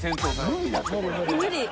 無理。